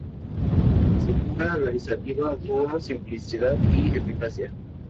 La estructura organizativa obtuvo simplicidad y eficacia.